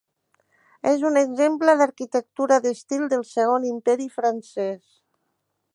És un exemple d'arquitectura d'estil del Segon Imperi Francès.